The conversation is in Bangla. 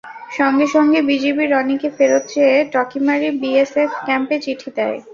সঙ্গে সঙ্গে বিজিবি রনিকে ফেরত চেয়ে টাকিমারী বিএসএফ ক্যাম্পে চিঠি দেয়।